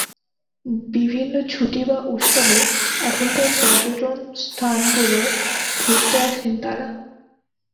বিভিন্ন ছুটি বা উৎসবে এখানকার পর্যটন স্থানগুলোয় ঘুরতে আসেন তারা।